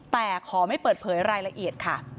แต่ขอไม่เปิดเผยรายละเอียดค่ะ